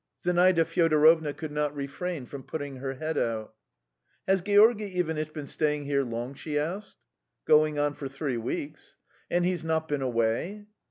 Zinaida Fyodorovna could not refrain from putting her head out. "Has Georgy Ivanitch been staying here long?" she asked. "Going on for three weeks." "And he's not been away?"